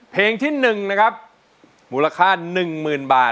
เพลงที่๑นะครับมูลค่า๑๐๐๐บาท